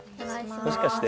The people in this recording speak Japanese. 「もしかして」